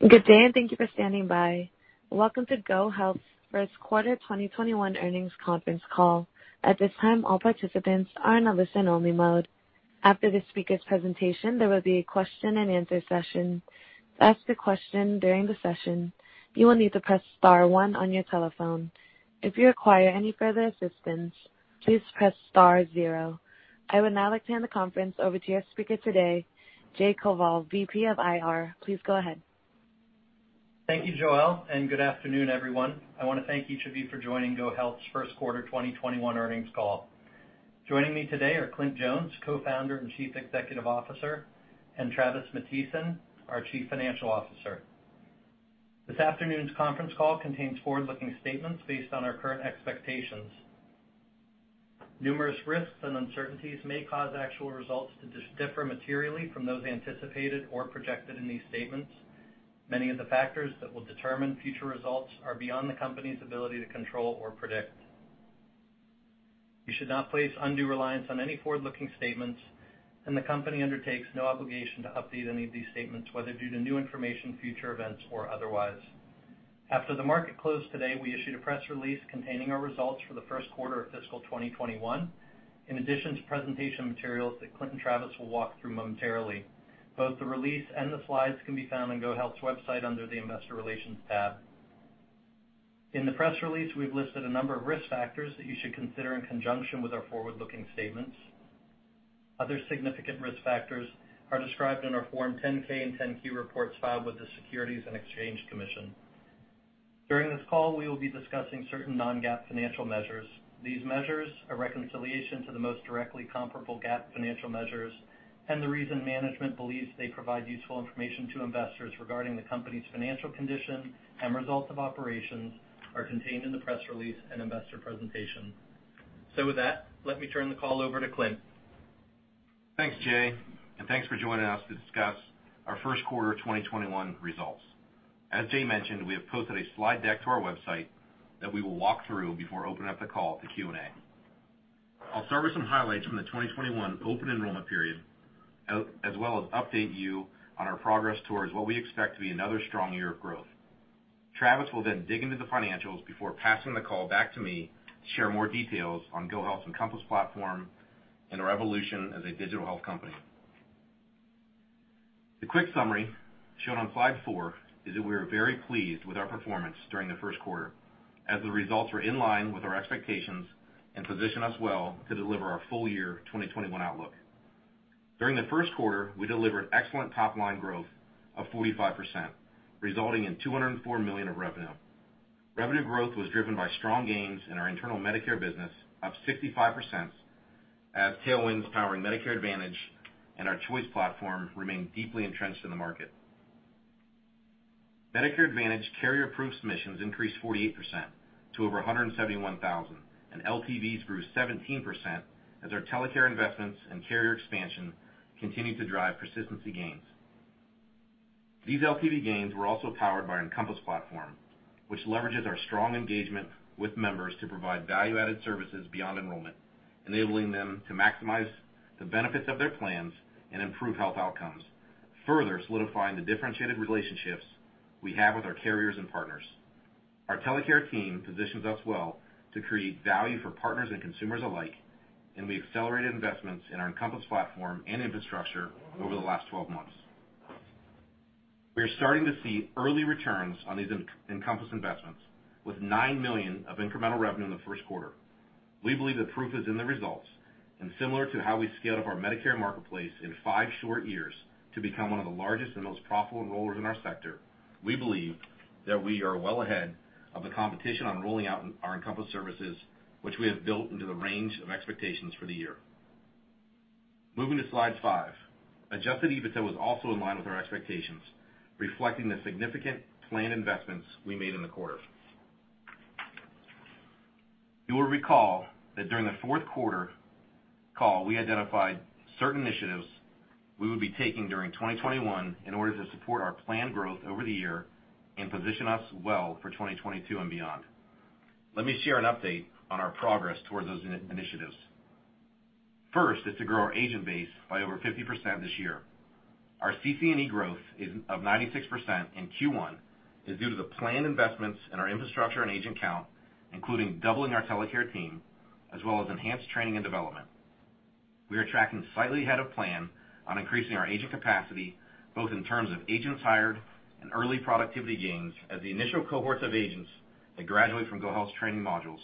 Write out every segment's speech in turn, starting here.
Good day, thank you for standing by. Welcome to GoHealth's First Quarter 2021 Earnings Conference Call. At this time, all participants are in a listen-only mode. After the speaker's presentation, there will be a question and answer session. To ask a question during the session, you will need to press star one on your telephone. If you require any further assistance, please press star zero. I would now like to hand the conference over to our speaker today, Jay Koval, VP of IR. Please go ahead. Thank you, Joelle. Good afternoon, everyone. I want to thank each of you for joining GoHealth's First Quarter 2021 Earnings Call. Joining me today are Clint Jones, Co-founder and Chief Executive Officer, and Travis Matthiesen, our Chief Financial Officer. This afternoon's conference call contains forward-looking statements based on our current expectations. Numerous risks and uncertainties may cause actual results to differ materially from those anticipated or projected in these statements. Many of the factors that will determine future results are beyond the company's ability to control or predict. You should not place undue reliance on any forward-looking statements, and the company undertakes no obligation to update any of these statements, whether due to new information, future events, or otherwise. After the market closed today, we issued a press release containing our results for the first quarter of fiscal 2021, in addition to presentation materials that Clint and Travis will walk through momentarily. Both the release and the slides can be found on GoHealth's website under the investor relations tab. In the press release, we've listed a number of risk factors that you should consider in conjunction with our forward-looking statements. Other significant risk factors are described in our Form 10-K and 10-Q reports filed with the Securities and Exchange Commission. During this call, we will be discussing certain non-GAAP financial measures. These measures, a reconciliation to the most directly comparable GAAP financial measures, and the reason management believes they provide useful information to investors regarding the company's financial condition and results of operations, are contained in the press release and investor presentation. With that, let me turn the call over to Clint. Thanks, Jay, and thanks for joining us to discuss our first quarter 2021 results. As Jay mentioned, we have posted a slide deck to our website that we will walk through before opening up the call to Q&A. I'll start with some highlights from the 2021 open enrollment period, as well as update you on our progress towards what we expect to be another strong year of growth. Travis will then dig into the financials before passing the call back to me to share more details on GoHealth's Encompass Platform and our evolution as a digital health company. The quick summary, shown on slide four, is that we are very pleased with our performance during the first quarter, as the results were in line with our expectations and position us well to deliver our full year 2021 outlook. During the first quarter, we delivered excellent top-line growth of 45%, resulting in $204 million of revenue. Revenue growth was driven by strong gains in our internal Medicare business, up 65%, as tailwinds powering Medicare Advantage and our Choice platform remain deeply entrenched in the market. Medicare Advantage carrier-approved submissions increased 48% to over 171,000, and LTVs grew 17% as our TeleCare investments and carrier expansion continued to drive persistency gains. These LTV gains were also powered by our Encompass Platform, which leverages our strong engagement with members to provide value-added services beyond enrollment, enabling them to maximize the benefits of their plans and improve health outcomes, further solidifying the differentiated relationships we have with our carriers and partners. Our TeleCare team positions us well to create value for partners and consumers alike, and we accelerated investments in our Encompass Platform and infrastructure over the last 12 months. We are starting to see early returns on these Encompass investments, with $9 million of incremental revenue in the first quarter. We believe the proof is in the results. Similar to how we scaled up our Medicare marketplace in five short years to become one of the largest and most profitable enrollers in our sector, we believe that we are well ahead of the competition on rolling out our Encompass services, which we have built into the range of expectations for the year. Moving to slide five. Adjusted EBITDA was also in line with our expectations, reflecting the significant plan investments we made in the quarter. You will recall that during the fourth quarter call, we identified certain initiatives we would be taking during 2021 in order to support our planned growth over the year and position us well for 2022 and beyond. Let me share an update on our progress towards those initiatives. First is to grow our agent base by over 50% this year. Our CC&E growth of 96% in Q1 is due to the planned investments in our infrastructure and agent count, including doubling our TeleCare team, as well as enhanced training and development. We are tracking slightly ahead of plan on increasing our agent capacity, both in terms of agents hired and early productivity gains as the initial cohorts of agents that graduate from GoHealth's training modules.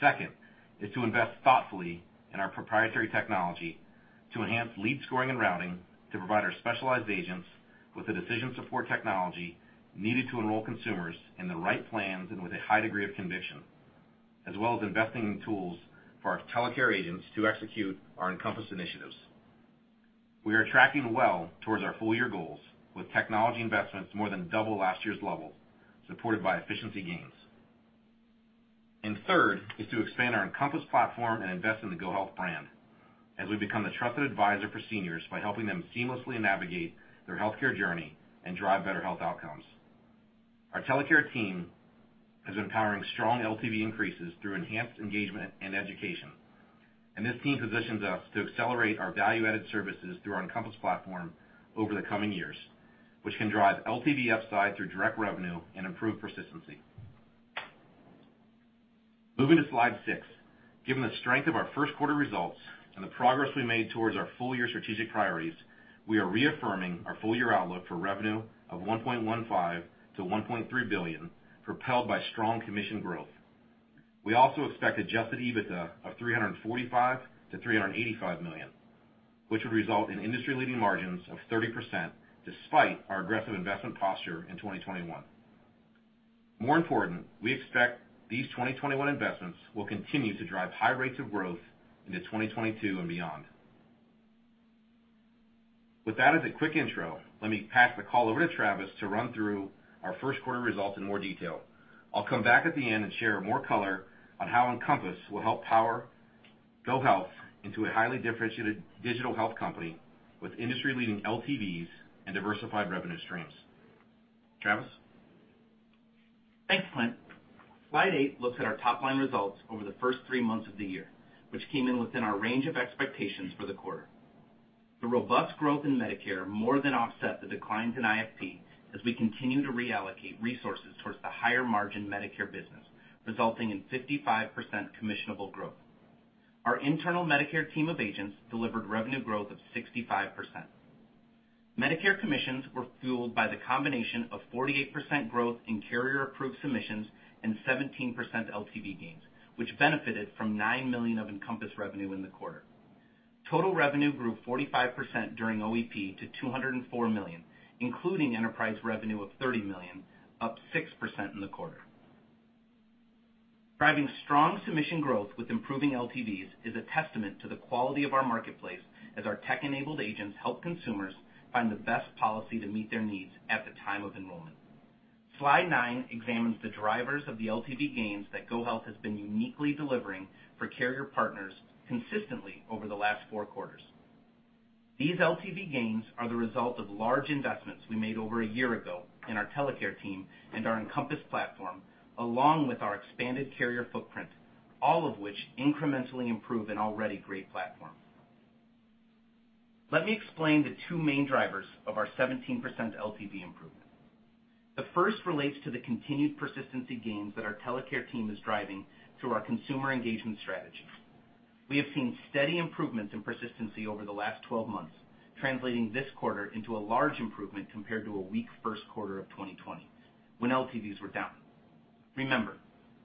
Second is to invest thoughtfully in our proprietary technology to enhance lead scoring and routing to provide our specialized agents with the decision support technology needed to enroll consumers in the right plans and with a high degree of conviction, as well as investing in tools for our TeleCare agents to execute our Encompass initiatives. We are tracking well towards our full year goals, with technology investments more than double last year's level, supported by efficiency gains. Third is to expand our Encompass platform and invest in the GoHealth brand as we become the trusted advisor for seniors by helping them seamlessly navigate their healthcare journey and drive better health outcomes. Our TeleCare team is empowering strong LTV increases through enhanced engagement and education. This team positions us to accelerate our value-added services through our Encompass platform over the coming years, which can drive LTV upside through direct revenue and improve persistency. Moving to slide six. Given the strength of our first quarter results and the progress we made towards our full-year strategic priorities, we are reaffirming our full-year outlook for revenue of $1.15 billion-$1.3 billion, propelled by strong commission growth. We also expect adjusted EBITDA of $345 million-$385 million, which would result in industry-leading margins of 30%, despite our aggressive investment posture in 2021. More important, we expect these 2021 investments will continue to drive high rates of growth into 2022 and beyond. With that as a quick intro, let me pass the call over to Travis to run through our first quarter results in more detail. I'll come back at the end and share more color on how Encompass will help power GoHealth into a highly differentiated digital health company with industry-leading LTVs and diversified revenue streams. Travis? Thanks, Clint. Slide eight looks at our top-line results over the first three months of the year, which came in within our range of expectations for the quarter. The robust growth in Medicare more than offset the declines in IFP as we continue to reallocate resources towards the higher margin Medicare business, resulting in 55% commissionable growth. Our internal Medicare team of agents delivered revenue growth of 65%. Medicare commissions were fueled by the combination of 48% growth in carrier-approved submissions and 17% LTV gains, which benefited from $9 million of Encompass revenue in the quarter. Total revenue grew 45% during OEP to $204 million, including enterprise revenue of $30 million, up 6% in the quarter. Driving strong submission growth with improving LTVs is a testament to the quality of our marketplace as our tech-enabled agents help consumers find the best policy to meet their needs at the time of enrollment. Slide nine examines the drivers of the LTV gains that GoHealth has been uniquely delivering for carrier partners consistently over the last four quarters. These LTV gains are the result of large investments we made over a year ago in our TeleCare team and our Encompass Platform, along with our expanded carrier footprint, all of which incrementally improve an already great platform. Let me explain the two main drivers of our 17% LTV improvement. The first relates to the continued persistency gains that our TeleCare team is driving through our consumer engagement strategy. We have seen steady improvements in persistency over the last 12 months, translating this quarter into a large improvement compared to a weak first quarter of 2020, when LTVs were down. Remember,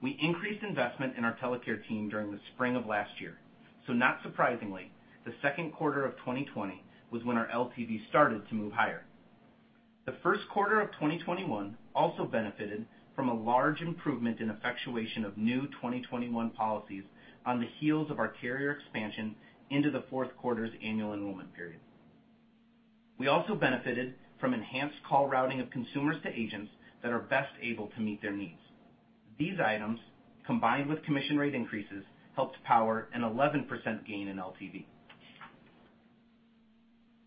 we increased investment in our TeleCare team during the spring of last year, so not surprisingly, the second quarter of 2020 was when our LTV started to move higher. The first quarter of 2021 also benefited from a large improvement in effectuation of new 2021 policies on the heels of our carrier expansion into the fourth quarter's annual enrollment period. We also benefited from enhanced call routing of consumers to agents that are best able to meet their needs. These items, combined with commission rate increases, helped power an 11% gain in LTV.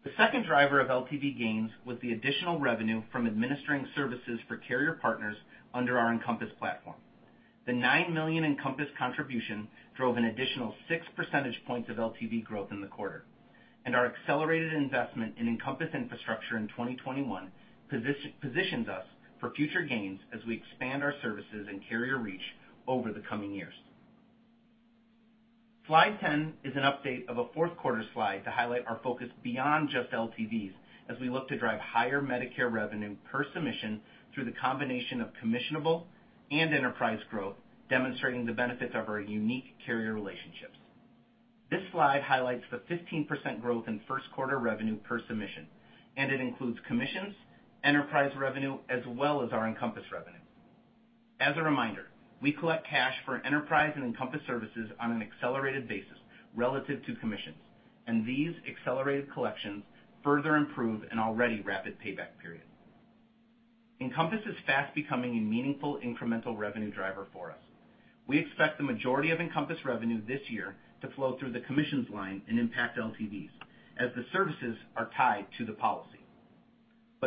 The second driver of LTV gains was the additional revenue from administering services for carrier partners under our Encompass platform. The $9 million Encompass contribution drove an additional 6 percentage points of LTV growth in the quarter. Our accelerated investment in Encompass infrastructure in 2021 positions us for future gains as we expand our services and carrier reach over the coming years. Slide 10 is an update of a fourth quarter slide to highlight our focus beyond just LTVs as we look to drive higher Medicare revenue per submission through the combination of commissionable and enterprise growth, demonstrating the benefits of our unique carrier relationships. This slide highlights the 15% growth in first quarter revenue per submission. It includes commissions, enterprise revenue, as well as our Encompass revenue. As a reminder, we collect cash for enterprise and Encompass services on an accelerated basis relative to commissions. These accelerated collections further improve an already rapid payback period. Encompass is fast becoming a meaningful incremental revenue driver for us. We expect the majority of Encompass revenue this year to flow through the commissions line and impact LTVs, as the services are tied to the policy.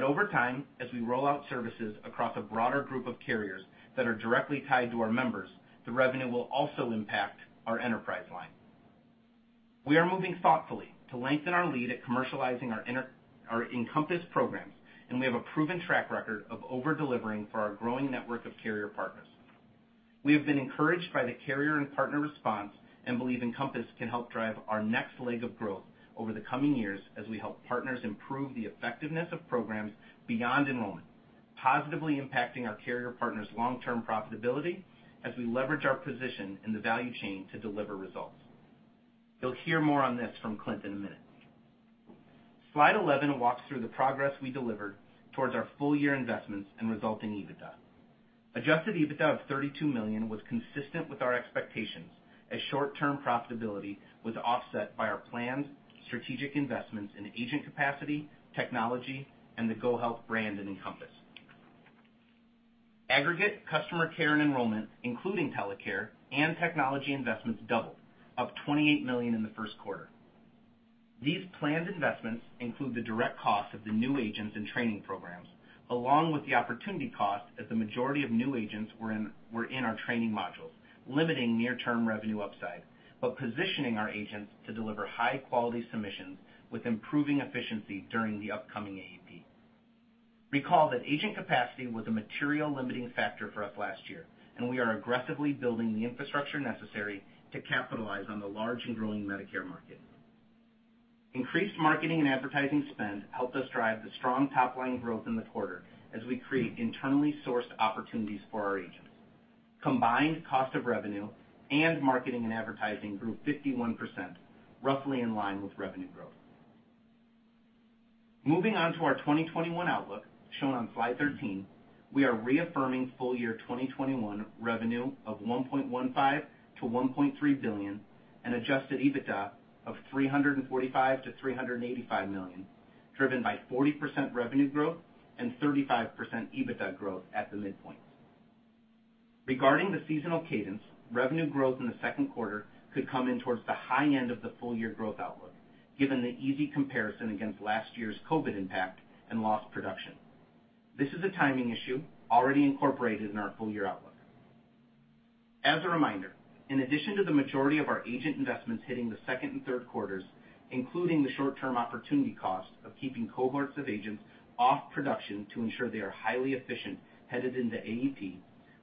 Over time, as we roll out services across a broader group of carriers that are directly tied to our members, the revenue will also impact our enterprise line. We are moving thoughtfully to lengthen our lead at commercializing our Encompass programs, and we have a proven track record of over-delivering for our growing network of carrier partners. We have been encouraged by the carrier and partner response and believe Encompass can help drive our next leg of growth over the coming years as we help partners improve the effectiveness of programs beyond enrollment, positively impacting our carrier partners' long-term profitability as we leverage our position in the value chain to deliver results. You'll hear more on this from Clint in a minute. Slide 11 walks through the progress we delivered towards our full-year investments and resulting EBITDA. Adjusted EBITDA of $32 million was consistent with our expectations as short-term profitability was offset by our planned strategic investments in agent capacity, technology, and the GoHealth brand and Encompass. Aggregate customer care and enrollment, including TeleCare and technology investments, doubled, up $28 million in the first quarter. These planned investments include the direct cost of the new agents and training programs, along with the opportunity cost as the majority of new agents were in our training modules, limiting near-term revenue upside, but positioning our agents to deliver high-quality submissions with improving efficiency during the upcoming AEP. Recall that agent capacity was a material limiting factor for us last year, and we are aggressively building the infrastructure necessary to capitalize on the large and growing Medicare market. Increased marketing and advertising spend helped us drive the strong top-line growth in the quarter as we create internally sourced opportunities for our agents. Combined cost of revenue and marketing and advertising grew 51%, roughly in line with revenue growth. Moving on to our 2021 outlook, shown on slide 13, we are reaffirming full-year 2021 revenue of $1.15 billion-$1.3 billion and adjusted EBITDA of $345 million-$385 million, driven by 40% revenue growth and 35% EBITDA growth at the midpoint. Regarding the seasonal cadence, revenue growth in the second quarter could come in towards the high end of the full-year growth outlook, given the easy comparison against last year's COVID impact and lost production. This is a timing issue already incorporated in our full-year outlook. As a reminder, in addition to the majority of our agent investments hitting the second and third quarters, including the short-term opportunity cost of keeping cohorts of agents off production to ensure they are highly efficient headed into AEP,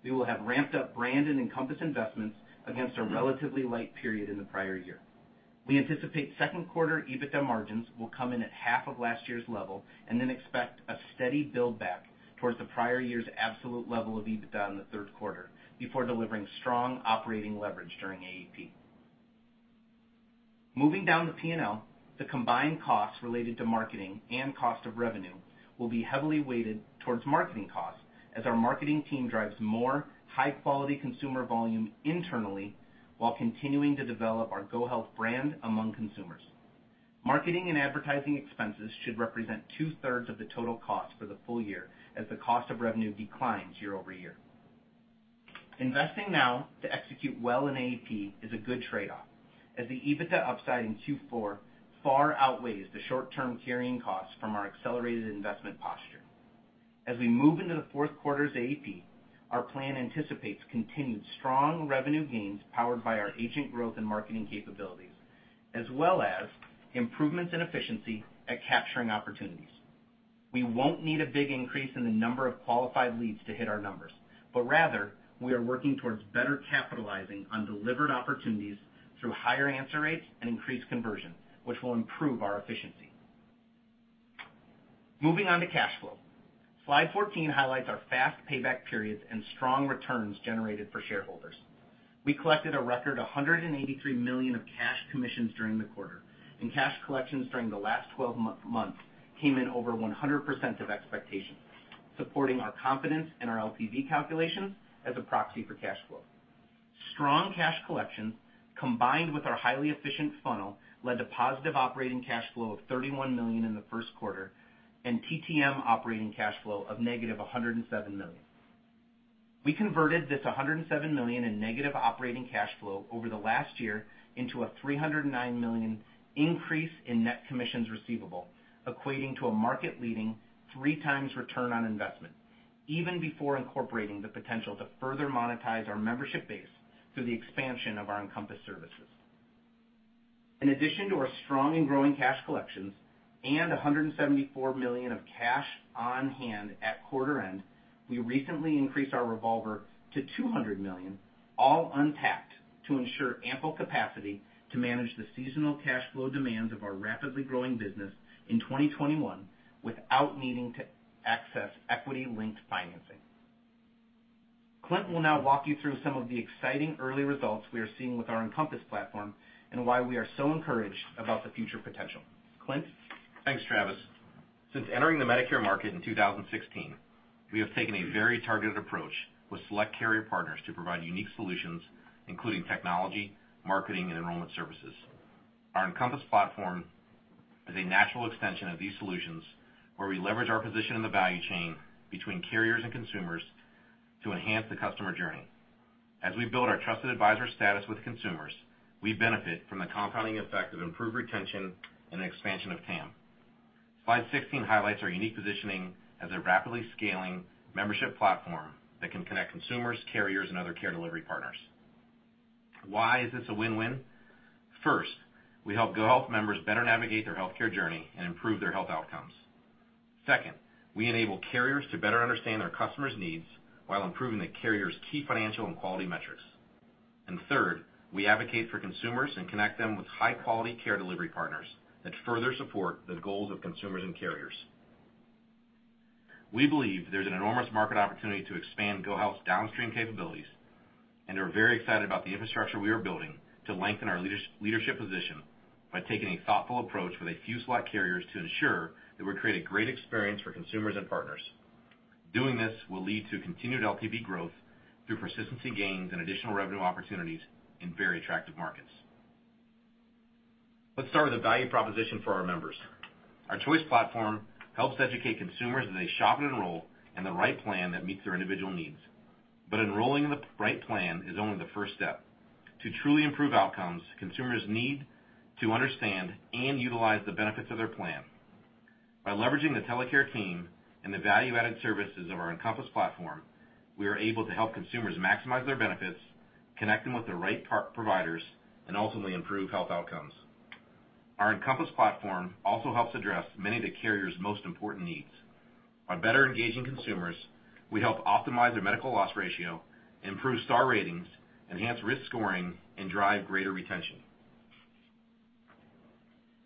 we will have ramped up brand and Encompass investments against our relatively light period in the prior year. We anticipate second quarter EBITDA margins will come in at half of last year's level, and then expect a steady build-back towards the prior year's absolute level of EBITDA in the third quarter before delivering strong operating leverage during AEP. Moving down to P&L, the combined costs related to marketing and cost of revenue will be heavily weighted towards marketing costs as our marketing team drives more high-quality consumer volume internally while continuing to develop our GoHealth brand among consumers. Marketing and advertising expenses should represent two-thirds of the total cost for the full year as the cost of revenue declines year-over-year. Investing now to execute well in AEP is a good trade-off, as the EBITDA upside in Q4 far outweighs the short-term carrying costs from our accelerated investment posture. We move into the fourth quarter's AEP, our plan anticipates continued strong revenue gains powered by our agent growth and marketing capabilities, as well as improvements in efficiency at capturing opportunities. We won't need a big increase in the number of qualified leads to hit our numbers, rather, we are working towards better capitalizing on delivered opportunities through higher answer rates and increased conversion, which will improve our efficiency. Moving on to cash flow. Slide 14 highlights our fast payback periods and strong returns generated for shareholders. We collected a record $183 million of cash commissions during the quarter, and cash collections during the last 12 months came in over 100% of expectations, supporting our confidence in our LTV calculations as a proxy for cash flow. Strong cash collections, combined with our highly efficient funnel, led to positive operating cash flow of $31 million in the first quarter and TTM operating cash flow of -$107 million. We converted this $107 million in negative operating cash flow over the last year into a $309 million increase in net commissions receivable, equating to a market-leading 3x return on investment, even before incorporating the potential to further monetize our membership base through the expansion of our Encompass services. In addition to our strong and growing cash collections and $174 million of cash on hand at quarter end, we recently increased our revolver to $200 million, all untapped, to ensure ample capacity to manage the seasonal cash flow demands of our rapidly growing business in 2021 without needing to access equity-linked financing. Clint will now walk you through some of the exciting early results we are seeing with our Encompass Platform and why we are so encouraged about the future potential. Clint? Thanks, Travis. Since entering the Medicare market in 2016, we have taken a very targeted approach with select carrier partners to provide unique solutions, including technology, marketing, and enrollment services. Our Encompass Platform is a natural extension of these solutions, where we leverage our position in the value chain between carriers and consumers to enhance the customer journey. As we build our trusted advisor status with consumers, we benefit from the compounding effect of improved retention and expansion of TAM. Slide 16 highlights our unique positioning as a rapidly scaling membership platform that can connect consumers, carriers, and other care delivery partners. Why is this a win-win? First, we help GoHealth members better navigate their healthcare journey and improve their health outcomes. Second, we enable carriers to better understand their customers' needs while improving the carrier's key financial and quality metrics. Third, we advocate for consumers and connect them with high-quality care delivery partners that further support the goals of consumers and carriers. We believe there's an enormous market opportunity to expand GoHealth's downstream capabilities and are very excited about the infrastructure we are building to lengthen our leadership position by taking a thoughtful approach with a few select carriers to ensure that we create a great experience for consumers and partners. Doing this will lead to continued LTV growth through persistency gains and additional revenue opportunities in very attractive markets. Let's start with the value proposition for our members. Our Choice platform helps educate consumers as they shop and enroll in the right plan that meets their individual needs. Enrolling in the right plan is only the first step. To truly improve outcomes, consumers need to understand and utilize the benefits of their plan. By leveraging the TeleCare team and the value-added services of our Encompass Platform, we are able to help consumers maximize their benefits, connect them with the right providers, and ultimately improve health outcomes. Our Encompass Platform also helps address many of the carrier's most important needs. By better engaging consumers, we help optimize their medical loss ratio, improve star ratings, enhance risk scoring, and drive greater retention.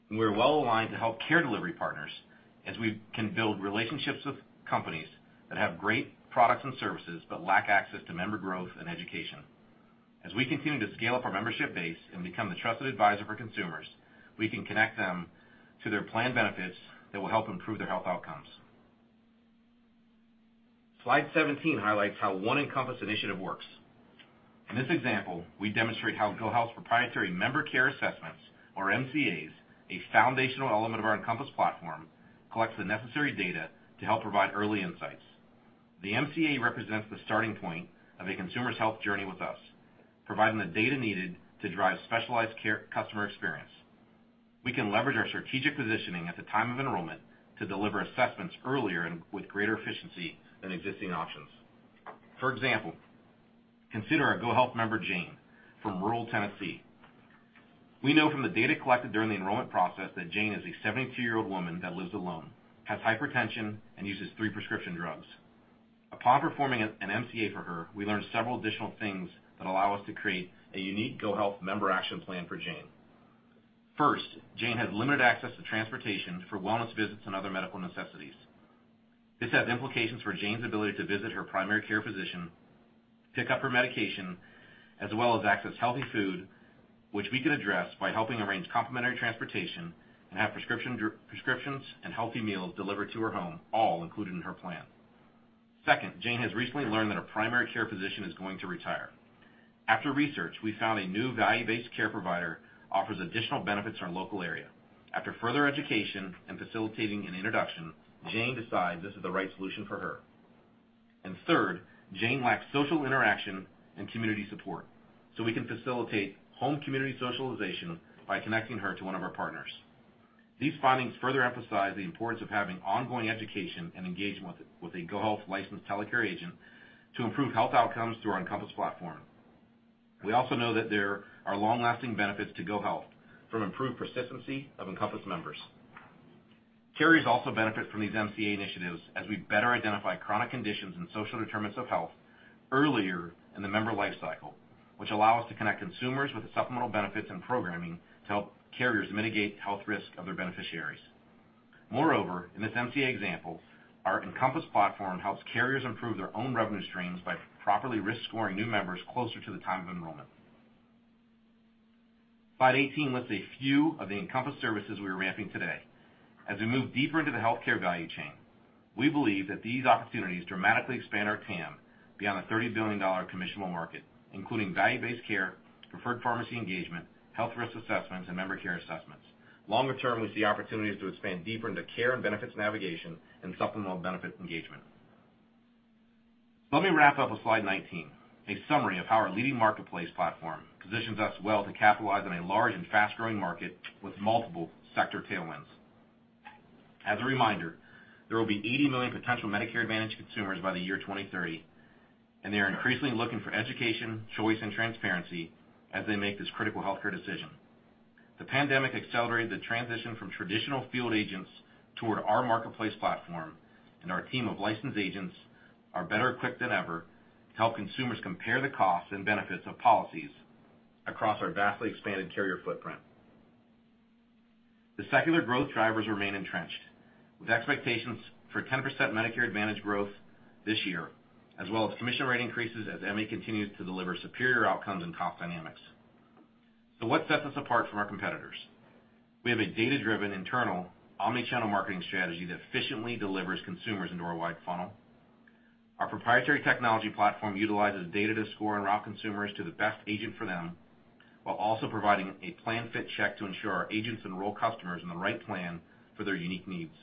We're well-aligned to help care delivery partners as we can build relationships with companies that have great products and services but lack access to member growth and education. As we continue to scale up our membership base and become the trusted advisor for consumers, we can connect them to their plan benefits that will help improve their health outcomes. Slide 17 highlights how one Encompass initiative works. In this example, we demonstrate how GoHealth's proprietary Member Care Assessments, or MCAs, a foundational element of our Encompass Platform, collects the necessary data to help provide early insights. The MCA represents the starting point of a consumer's health journey with us, providing the data needed to drive specialized care customer experience. We can leverage our strategic positioning at the time of enrollment to deliver assessments earlier and with greater efficiency than existing options. For example, consider our GoHealth member, Jane, from rural Tennessee. We know from the data collected during the enrollment process that Jane is a 72-year-old woman that lives alone, has hypertension, and uses three prescription drugs. Upon performing an MCA for her, we learn several additional things that allow us to create a unique GoHealth member action plan for Jane. First, Jane has limited access to transportation for wellness visits and other medical necessities. This has implications for Jane's ability to visit her primary care physician, pick up her medication, as well as access healthy food, which we could address by helping arrange complimentary transportation and have prescriptions and healthy meals delivered to her home, all included in her plan. Second, Jane has recently learned that her primary care physician is going to retire. After research, we found a new value-based care provider offers additional benefits in her local area. After further education and facilitating an introduction, Jane decides this is the right solution for her. Third, Jane lacks social interaction and community support. We can facilitate home community socialization by connecting her to one of our partners. These findings further emphasize the importance of having ongoing education and engagement with a GoHealth licensed TeleCare agent to improve health outcomes through our Encompass Platform. We also know that there are long-lasting benefits to GoHealth from improved persistency of Encompass members. Carriers also benefit from these MCA initiatives as we better identify chronic conditions and social determinants of health earlier in the member life cycle, which allow us to connect consumers with the supplemental benefits and programming to help carriers mitigate health risk of their beneficiaries. Moreover, in this MCA example, our Encompass Platform helps carriers improve their own revenue streams by properly risk-scoring new members closer to the time of enrollment. Slide 18 lists a few of the Encompass services we are ramping today. As we move deeper into the healthcare value chain, we believe that these opportunities dramatically expand our TAM beyond a $30 billion commissionable market, including value-based care, preferred pharmacy engagement, health risk assessments, and member care assessments. Longer-term, we see opportunities to expand deeper into care and benefits navigation and supplemental benefit engagement. Let me wrap up with slide 19, a summary of how our leading marketplace platform positions us well to capitalize on a large and fast-growing market with multiple sector tailwinds. As a reminder, there will be 80 million potential Medicare Advantage consumers by the year 2030, and they are increasingly looking for education, choice, and transparency as they make this critical healthcare decision. The pandemic accelerated the transition from traditional field agents toward our marketplace platform, and our team of licensed agents are better equipped than ever to help consumers compare the costs and benefits of policies across our vastly expanded carrier footprint. The secular growth drivers remain entrenched, with expectations for 10% Medicare Advantage growth this year, as well as commission rate increases as MA continues to deliver superior outcomes and cost dynamics. What sets us apart from our competitors? We have a data-driven internal omni-channel marketing strategy that efficiently delivers consumers into our wide funnel. Our proprietary technology platform utilizes data to score and route consumers to the best agent for them, while also providing a Plan Fit Check to ensure our agents enroll customers in the right plan for their unique needs.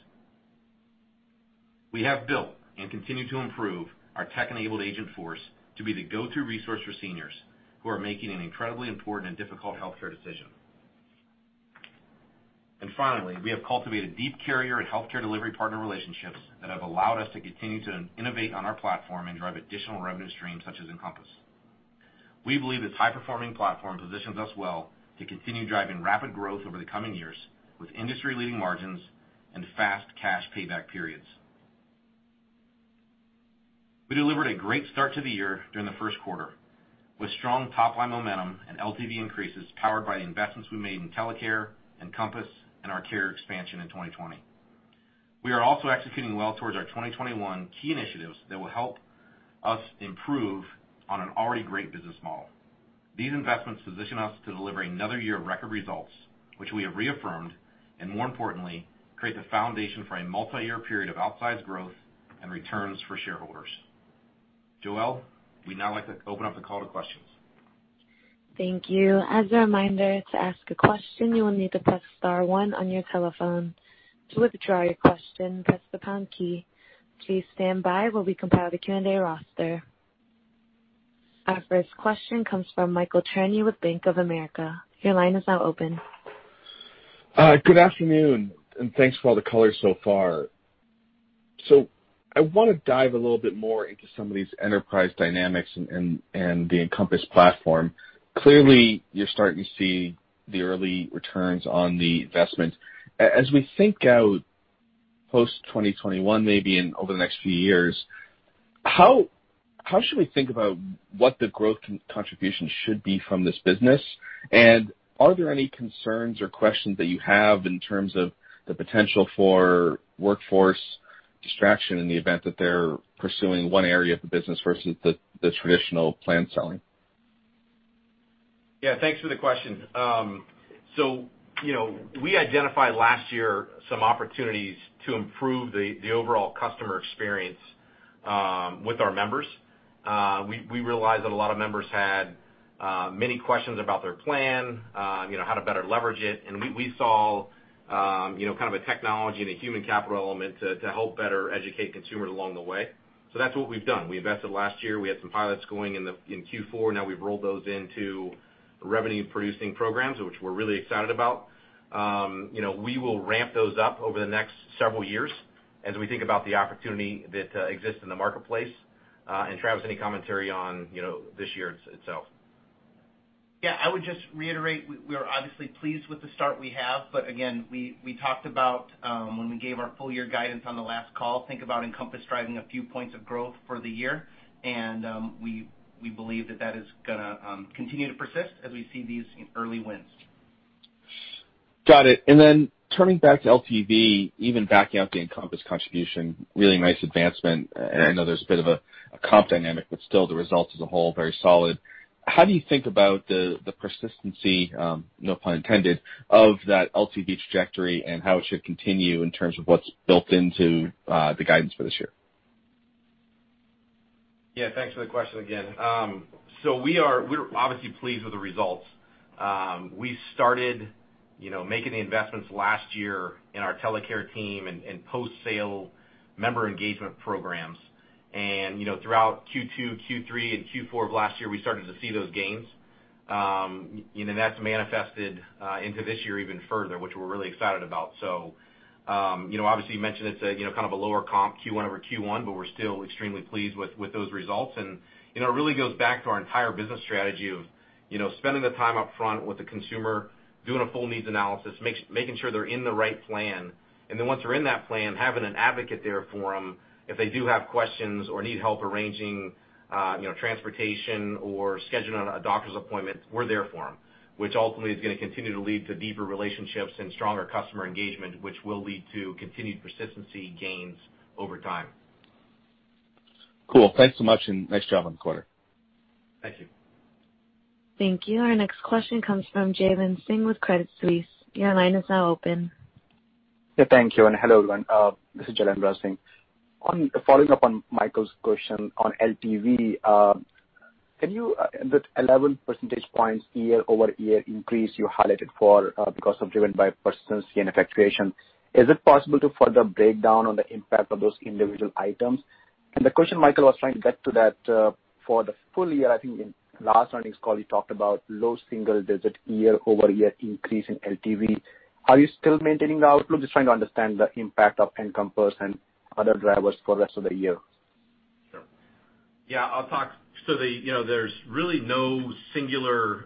We have built and continue to improve our tech-enabled agent force to be the go-to resource for seniors who are making an incredibly important and difficult healthcare decision. Finally, we have cultivated deep carrier and healthcare delivery partner relationships that have allowed us to continue to innovate on our platform and drive additional revenue streams such as Encompass. We believe this high-performing platform positions us well to continue driving rapid growth over the coming years, with industry-leading margins and fast cash payback periods. We delivered a great start to the year during the first quarter, with strong top-line momentum and LTV increases powered by the investments we made in TeleCare, Encompass, and our carrier expansion in 2020. We are also executing well towards our 2021 key initiatives that will help us improve on an already great business model. These investments position us to deliver another year of record results, which we have reaffirmed, and more importantly, create the foundation for a multi-year period of outsized growth and returns for shareholders. Joelle, we'd now like to open up the call to questions. Thank you. As a reminder, to ask a question, you will need to press star one on your telephone. To withdraw your question, press the pound key. Please stand by while we compile the Q&A roster. Our first question comes from Michael Cherny with Bank of America. Your line is now open. Good afternoon, and thanks for all the color so far. I want to dive a little bit more into some of these enterprise dynamics and the Encompass Platform. Clearly, you're starting to see the early returns on the investment. As we think out post 2021, maybe and over the next few years, how should we think about what the growth contribution should be from this business? Are there any concerns or questions that you have in terms of the potential for workforce distraction in the event that they're pursuing one area of the business versus the traditional plan selling? Yeah, thanks for the question. We identified last year some opportunities to improve the overall customer experience with our members. We realized that a lot of members had many questions about their plan, how to better leverage it, and we saw kind of a technology and a human capital element to help better educate consumers along the way. That's what we've done. We invested last year. We had some pilots going in Q4. Now we've rolled those into revenue-producing programs, which we're really excited about. We will ramp those up over the next several years as we think about the opportunity that exists in the marketplace. Travis, any commentary on this year itself? Yeah, I would just reiterate, we are obviously pleased with the start we have, but again, we talked about when we gave our full year guidance on the last call, think about Encompass driving a few points of growth for the year, and we believe that that is going to continue to persist as we see these early wins. Got it. Turning back to LTV, even backing out the Encompass contribution, really nice advancement. I know there's a bit of a comp dynamic, but still the results as a whole, very solid. How do you think about the persistency, no pun intended, of that LTV trajectory and how it should continue in terms of what's built into the guidance for this year? Thanks for the question again. We are obviously pleased with the results. We started making the investments last year in our TeleCare team and post-sale member engagement programs. Throughout Q2, Q3, and Q4 of last year, we started to see those gains. That's manifested into this year even further, which we're really excited about. Obviously, you mentioned it's kind of a lower comp Q1-over-Q1, but we're still extremely pleased with those results. It really goes back to our entire business strategy of spending the time up front with the consumer, doing a full needs analysis, making sure they're in the right plan. Once they're in that plan, having an advocate there for them, if they do have questions or need help arranging transportation or scheduling a doctor's appointment, we're there for them. Which ultimately is going to continue to lead to deeper relationships and stronger customer engagement, which will lead to continued persistency gains over time. Cool. Thanks so much and nice job on the quarter. Thank you. Thank you. Our next question comes from Jailendra Singh with Credit Suisse. Yeah, thank you, and hello, everyone. This is Jailendra Singh. Following up on Michael's question on LTV, that 11 percentage points year-over-year increase you highlighted for because of driven by persistency and effectuation, is it possible to further break down on the impact of those individual items? The question Michael was trying to get to that, for the full year, I think in last earnings call, you talked about low single-digit year-over-year increase in LTV. Are you still maintaining the outlook? Just trying to understand the impact of Encompass and other drivers for the rest of the year. Sure. Yeah, I'll talk. There's really no singular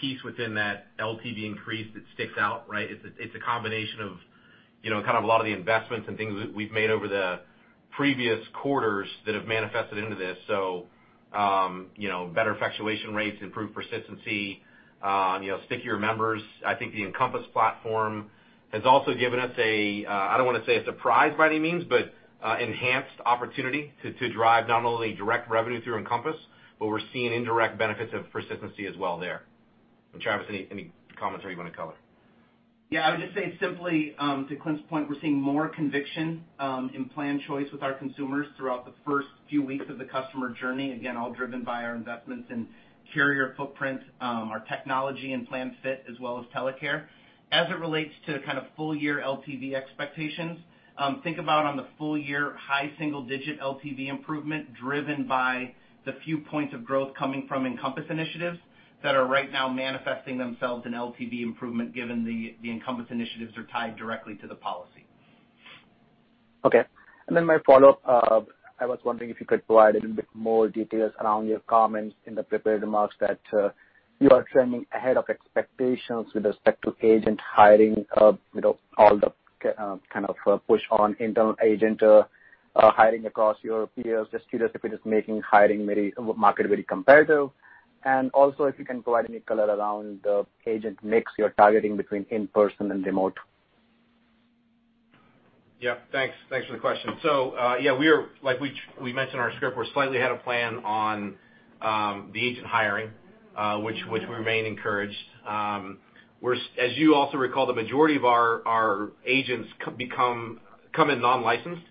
piece within that LTV increase that sticks out, right? It's a combination of kind of a lot of the investments and things that we've made over the previous quarters that have manifested into this. Better effectuation rates, improved persistency, stickier members. I think the Encompass Platform has also given us a, I don't want to say a surprise by any means, but enhanced opportunity to drive not only direct revenue through Encompass, but we're seeing indirect benefits of persistency as well there. Travis, any commentary you want to cover? I would just say simply to Clint's point, we're seeing more conviction in plan choice with our consumers throughout the first few weeks of the customer journey. All driven by our investments in carrier footprint, our technology and plan fit, as well as TeleCare. As it relates to kind of full year LTV expectations, think about on the full year, high single digit LTV improvement driven by the few points of growth coming from Encompass initiatives that are right now manifesting themselves in LTV improvement given the Encompass initiatives are tied directly to the policy. Okay. My follow-up, I was wondering if you could provide a little bit more details around your comments in the prepared remarks that you are trending ahead of expectations with respect to agent hiring, all the kind of push on internal agent hiring across your peers, just curious if it is making hiring market very competitive? If you can provide any color around the agent mix you're targeting between in-person and remote? Yeah. Thanks for the question. Yeah, like we mentioned in our script, we're slightly ahead of plan on the agent hiring, which we remain encouraged. As you also recall, the majority of our agents come in non-licensed.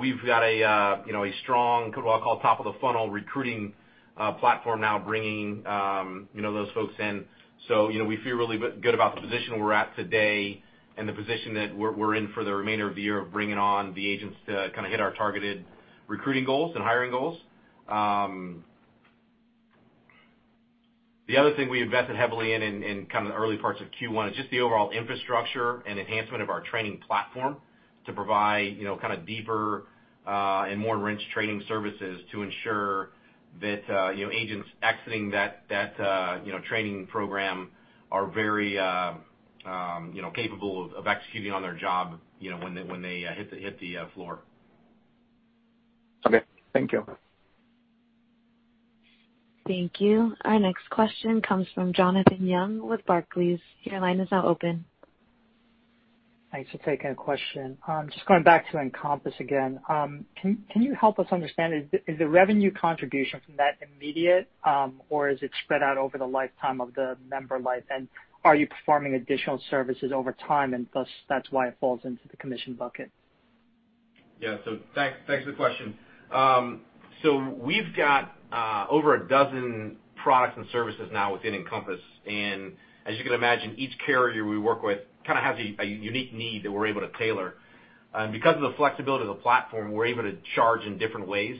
We've got a strong, what I'll call top of the funnel recruiting platform now bringing those folks in. We feel really good about the position we're at today and the position that we're in for the remainder of the year of bringing on the agents to hit our targeted recruiting goals and hiring goals. The other thing we invested heavily in early parts of Q1, is just the overall infrastructure and enhancement of our training platform to provide deeper, and more enriched training services to ensure that agents exiting that training program are very capable of executing on their job when they hit the floor. Okay. Thank you. Thank you. Our next question comes from Jonathan Yong with Barclays. Your line is now open. Thanks for taking the question. Just going back to Encompass again. Can you help us understand, is the revenue contribution from that immediate, or is it spread out over the lifetime of the member life? Are you performing additional services over time, and thus that's why it falls into the commission bucket? Yeah. Thanks for the question. We've got over a dozen products and services now within Encompass. As you can imagine, each carrier we work with has a unique need that we're able to tailor. Because of the flexibility of the platform, we're able to charge in different ways.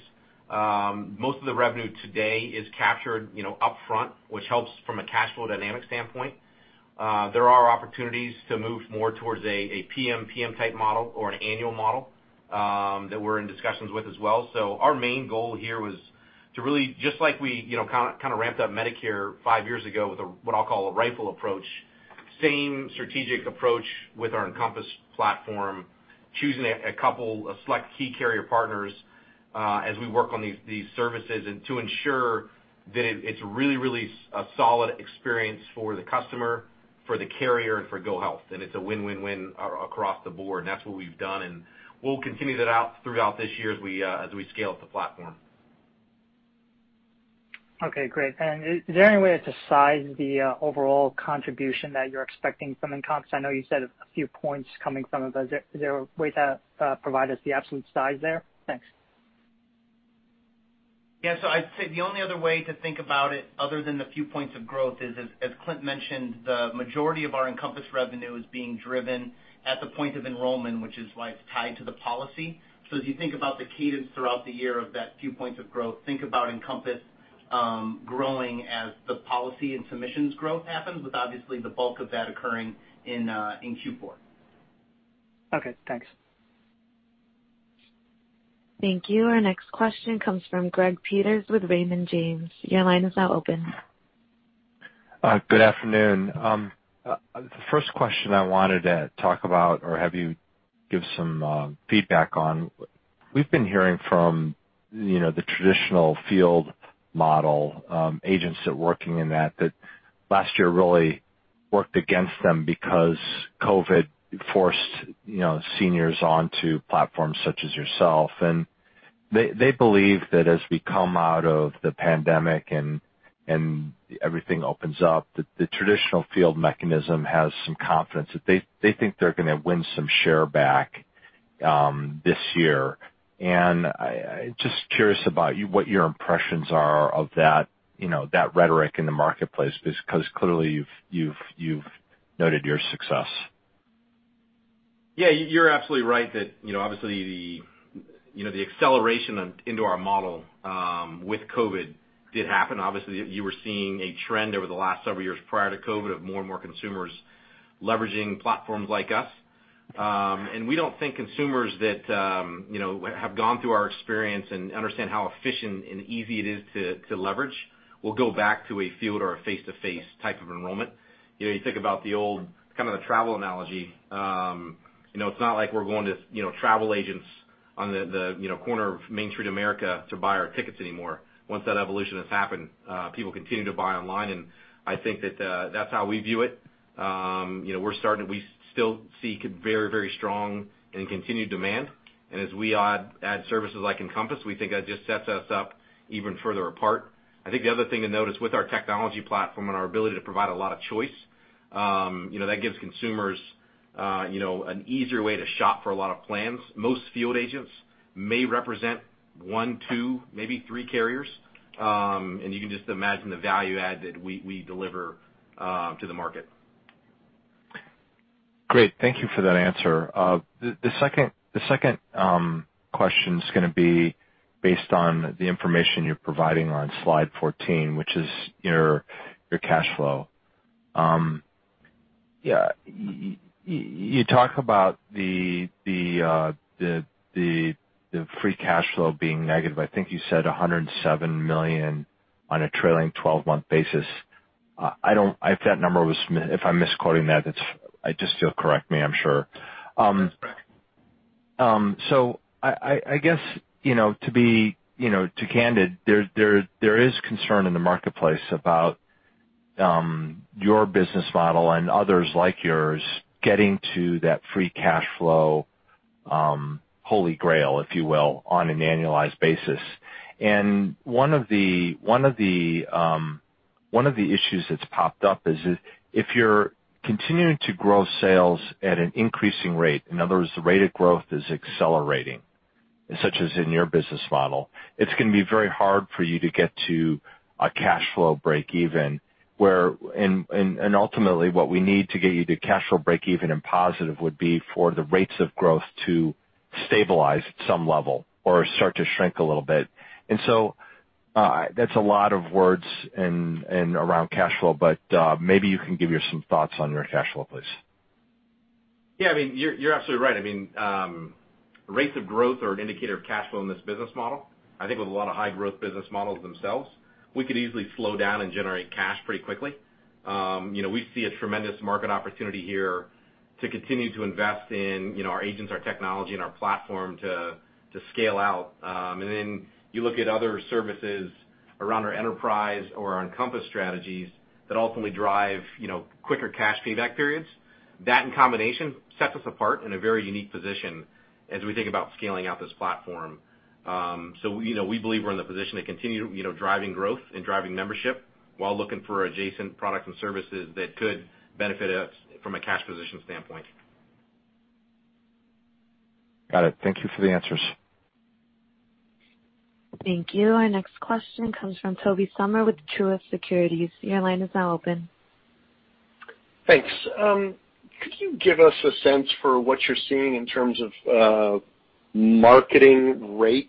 Most of the revenue today is captured upfront, which helps from a cash flow dynamic standpoint. There are opportunities to move more towards a PMPM type model or an annual model, that we're in discussions with as well. Our main goal here was to really, just like we ramped up Medicare five years ago with a, what I'll call a rifle approach, same strategic approach with our Encompass Platform, choosing a couple of select key carrier partners, as we work on these services and to ensure that it's really a solid experience for the customer, for the carrier, and for GoHealth. It's a win-win-win across the board. That's what we've done, and we'll continue that out throughout this year as we scale up the platform. Okay, great. Is there any way to size the overall contribution that you're expecting from Encompass? I know you said a few points coming from it, but is there a way to provide us the absolute size there? Thanks. I'd say the only other way to think about it other than the few points of growth is, as Clint mentioned, the majority of our Encompass revenue is being driven at the point of enrollment, which is tied to the policy. As you think about the cadence throughout the year of that few points of growth, think about Encompass growing as the policy and submissions growth happens with obviously the bulk of that occurring in Q4. Okay, thanks. Thank you. Our next question comes from Greg Peters with Raymond James. Your line is now open. Good afternoon. The first question I wanted to talk about or have you give some feedback on, we've been hearing from the traditional field model, agents that working in that last year really worked against them because COVID forced seniors onto platforms such as yourself. They believe that as we come out of the pandemic and everything opens up, the traditional field mechanism has some confidence that they think they're going to win some share back, this year. Just curious about what your impressions are of that rhetoric in the marketplace, because clearly you've noted your success. Yeah, you're absolutely right that obviously the acceleration into our model with COVID did happen. Obviously, you were seeing a trend over the last several years prior to COVID of more and more consumers leveraging platforms like us. We don't think consumers that have gone through our experience and understand how efficient and easy it is to leverage will go back to a field or a face-to-face type of enrollment. You think about the old travel analogy. It's not like we're going to travel agents on the corner of Main Street America to buy our tickets anymore. Once that evolution has happened, people continue to buy online, and I think that's how we view it. We still see very strong and continued demand, as we add services like Encompass, we think that just sets us up even further apart. I think the other thing to note is with our technology platform and our ability to provide a lot of Choice, that gives consumers an easier way to shop for a lot of plans. Most field agents may represent one, two, maybe three carriers. You can just imagine the value add that we deliver to the market. Great. Thank you for that answer. The second question's going to be based on the information you're providing on slide 14, which is your cash flow. You talk about the free cash flow being negative. I think you said $107 million on a trailing 12-month basis. If I'm misquoting that, just still correct me, I'm sure. That's correct. I guess, to be candid, there is concern in the marketplace about your business model and others like yours getting to that free cash flow, holy grail, if you will, on an annualized basis. One of the issues that's popped up is if you're continuing to grow sales at an increasing rate, in other words, the rate of growth is accelerating, such as in your business model, it's going to be very hard for you to get to a cash flow breakeven. Ultimately what we need to get you to cash flow breakeven and positive would be for the rates of growth to stabilize at some level or start to shrink a little bit. That's a lot of words around cash flow, but maybe you can give some thoughts on your cash flow, please. Yeah, you're absolutely right. Rates of growth are an indicator of cash flow in this business model. I think with a lot of high growth business models themselves, we could easily slow down and generate cash pretty quickly. We see a tremendous market opportunity here to continue to invest in our agents, our technology, and our platform to scale out. You look at other services around our enterprise or our Encompass strategies that ultimately drive quicker cash payback periods. That, in combination, sets us apart in a very unique position as we think about scaling out this platform. We believe we're in the position to continue driving growth and driving membership while looking for adjacent products and services that could benefit us from a cash position standpoint. Got it. Thank you for the answers. Thank you. Our next question comes from Tobey Sommer with Truist Securities. Your line is now open. Thanks. Could you give us a sense for what you're seeing in terms of marketing rates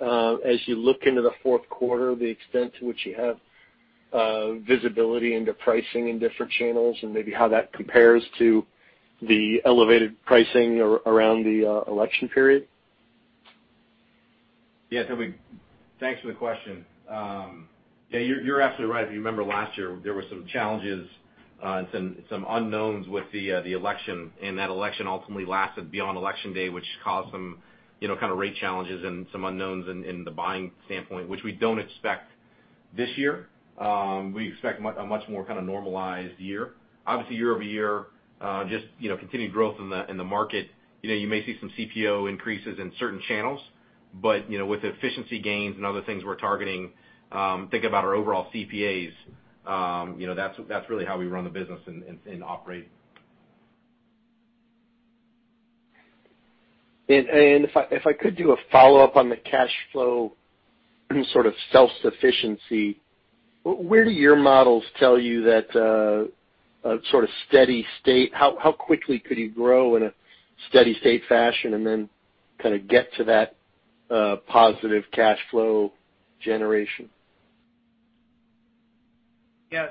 as you look into the fourth quarter, the extent to which you have visibility into pricing in different channels, and maybe how that compares to the elevated pricing around the election period? Yeah, Tobey, thanks for the question. Yeah, you're absolutely right. If you remember last year, there were some challenges and some unknowns with the election, that election ultimately lasted beyond Election Day, which caused some kind of rate challenges and some unknowns in the buying standpoint, which we don't expect this year. We expect a much more kind of normalized year. Obviously, year-over-year, just continued growth in the market. You may see some CPO increases in certain channels, with efficiency gains and other things we're targeting, think about our overall CPAs. That's really how we run the business and operate. If I could do a follow-up on the cash flow sort of self-sufficiency, where do your models tell you that a sort of steady state, how quickly could you grow in a steady state fashion and then kind of get to that positive cash flow generation? Yeah.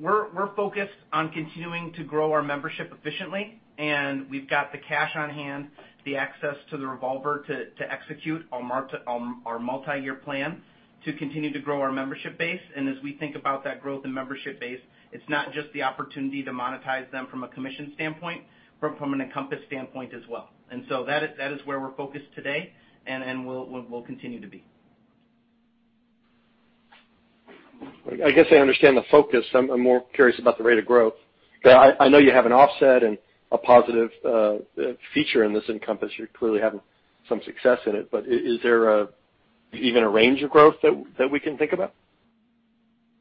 We're focused on continuing to grow our membership efficiently, and we've got the cash on hand, the access to the revolver to execute our multi-year plan to continue to grow our membership base. As we think about that growth and membership base, it's not just the opportunity to monetize them from a commission standpoint, but from an Encompass standpoint as well. That is where we're focused today, and we'll continue to be. I guess I understand the focus. I'm more curious about the rate of growth. I know you have an offset and a positive feature in this Encompass. You're clearly having some success in it, but is there even a range of growth that we can think about?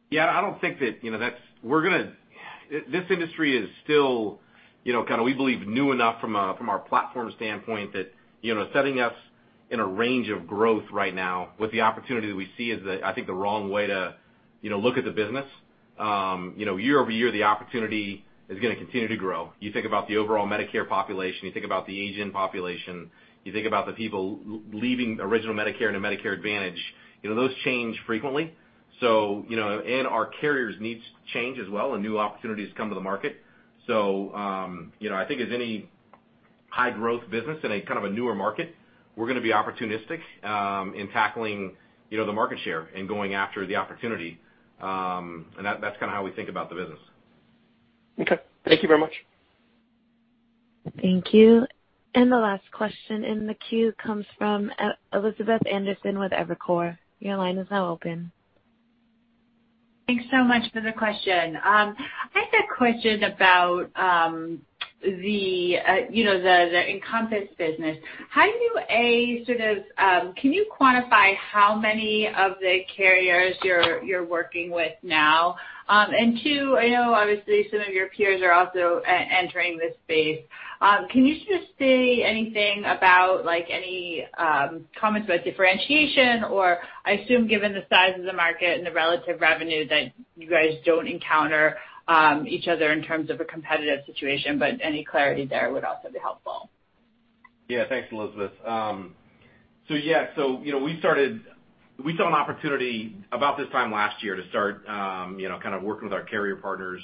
Yeah, I don't think that this industry is still, kind of, we believe, new enough from our platform standpoint that setting us in a range of growth right now with the opportunity that we see is, I think, the wrong way to look at the business. Year-over-year, the opportunity is going to continue to grow. You think about the overall Medicare population, you think about the agent population, you think about the people leaving original Medicare and the Medicare Advantage. Those change frequently, and our carriers' needs change as well, and new opportunities come to the market. I think as any high growth business in a kind of a newer market, we're going to be opportunistic in tackling the market share and going after the opportunity. That's kind of how we think about the business. Okay. Thank you very much. Thank you. The last question in the queue comes from Elizabeth Anderson with Evercore. Your line is now open. Thanks so much for the question. I had a question about the Encompass business. Can you quantify how many of the carriers you're working with now? Two, I know obviously some of your peers are also entering this space. Can you just say anything about, like, any comments about differentiation? I assume, given the size of the market and the relative revenue, that you guys don't encounter each other in terms of a competitive situation, but any clarity there would also be helpful. Thanks, Elizabeth. We saw an opportunity about this time last year to start kind of working with our carrier partners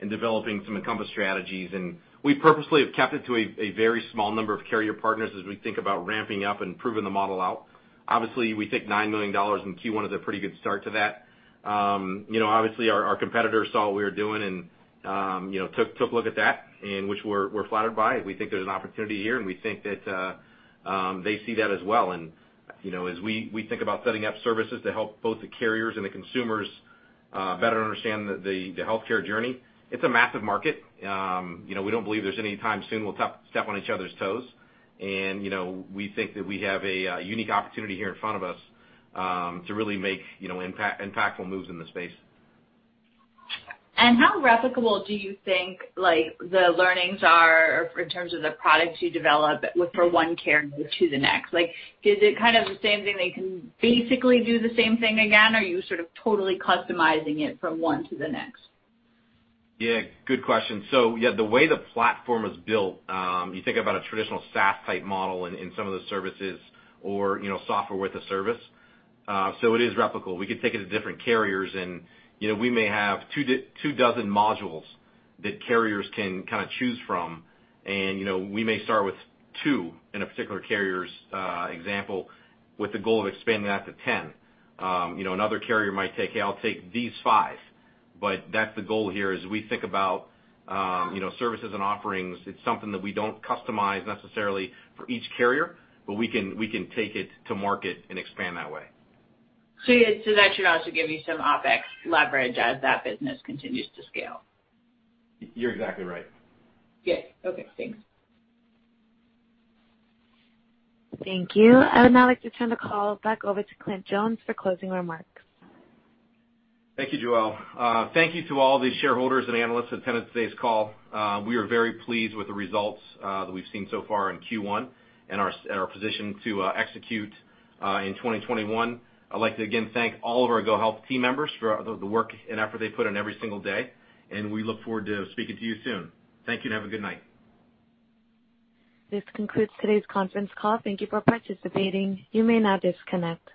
and developing some Encompass strategies, and we purposely have kept it to a very small number of carrier partners as we think about ramping up and proving the model out. Obviously, we think $9 million in Q1 is a pretty good start to that. Obviously, our competitors saw what we were doing and took a look at that, which we're flattered by. We think there's an opportunity here, and we think that they see that as well. As we think about setting up services to help both the carriers and the consumers better understand the healthcare journey, it's a massive market. We don't believe there's any time soon we'll step on each other's toes. We think that we have a unique opportunity here in front of us to really make impactful moves in the space. How replicable do you think the learnings are in terms of the products you develop for one carrier to the next? Like, is it kind of the same thing, they can basically do the same thing again, or are you sort of totally customizing it from one to the next? Yeah, good question. Yeah, the way the platform is built, you think about a traditional SaaS-type model in some of the services or software with a service. It is replicable. We could take it to different carriers, and we may have two dozen modules that carriers can kind of choose from, and we may start with two in a particular carrier's example, with the goal of expanding that to 10. Another carrier might take, "Hey, I'll take these five." That's the goal here. As we think about services and offerings, it's something that we don't customize necessarily for each carrier, but we can take it to market and expand that way. That should also give you some OpEx leverage as that business continues to scale. You're exactly right. Good. Okay, thanks. Thank you. I would now like to turn the call back over to Clint Jones for closing remarks. Thank you, Joelle. Thank you to all the shareholders and analysts who attended today's call. We are very pleased with the results that we've seen so far in Q1 and our position to execute in 2021. I'd like to again thank all of our GoHealth team members for the work and effort they put in every single day, and we look forward to speaking to you soon. Thank you, and have a good night. This concludes today's conference call. Thank you for participating. You may now disconnect.